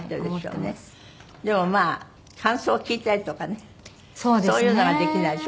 でもまあ感想を聞いたりとかねそういうのができないでしょ